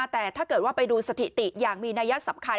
แต่ถ้าเกิดว่าไปดูสถิติอย่างมีนัยสำคัญ